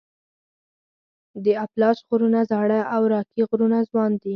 د اپلاش غرونه زاړه او راکي غرونه ځوان دي.